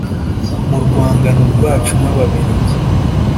mu rwangano rwacu n’ababiligi